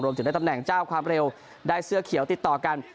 ถึงได้ตำแหน่งเจ้าความเร็วได้เสื้อเขียวติดต่อกัน